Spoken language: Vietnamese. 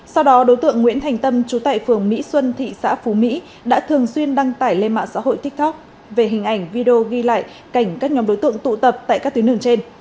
sau đó đối tượng nguyễn thành tâm trú tại phường mỹ xuân thị xã phú mỹ đã thường xuyên đăng tải lên mạng xã hội tiktok về hình ảnh video ghi lại cảnh các nhóm đối tượng tụ tập tại các tuyến đường trên